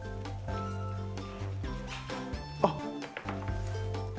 あっ！